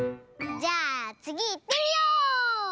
じゃあつぎいってみよう！